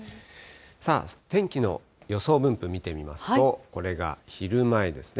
さあ、天気の予想分布、見てみますと、これが昼前ですね。